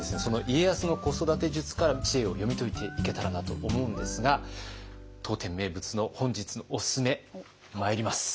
家康の子育て術から知恵を読み解いていけたらなと思うんですが当店名物の本日のおすすめまいります。